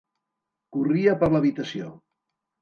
Corria per l'habitació.